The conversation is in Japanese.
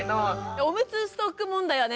おむつストック問題はね